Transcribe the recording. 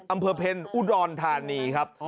อำเภอเพ็ญอุดรธานีครับ